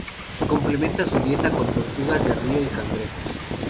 Complementa su dieta con tortugas de río y cangrejos.